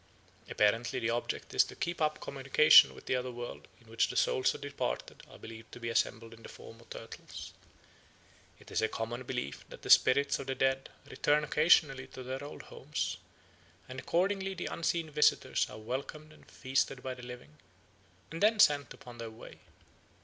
Apparently the object is to keep up a communication with the other world in which the souls of the departed are believed to be assembled in the form of turtles. It is a common belief that the spirits of the dead return occasionally to their old homes; and accordingly the unseen visitors are welcomed and feasted by the living, and then sent upon their way.